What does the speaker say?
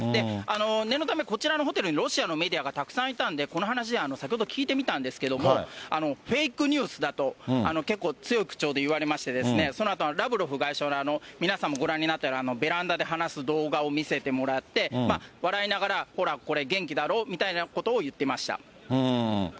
念のため、こちらのホテルにロシアのメディアがたくさんいたんでこの話、先ほど聞いてみたんですけども、フェイクニュースだと、結構強い口調で言われまして、そのあと、ラブロフ外相の皆さんもご覧になったようなベランダで話す動画を見せてもらって、笑いながら、ほら、これ元気だろ？みたいなことを言ってました。